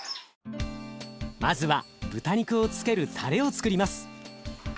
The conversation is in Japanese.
まずは豚肉をつけるたれをつくります。